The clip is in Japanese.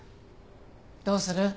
どうする？